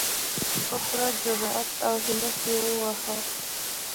په پوره جرئت او همت یې ووهو.